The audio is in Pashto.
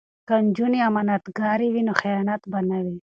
که نجونې امانتکارې وي نو خیانت به نه وي.